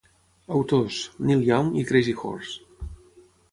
Autors: Neil Young i Crazy Horse.